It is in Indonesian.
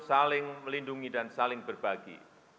saling melindungi dan saling berbagi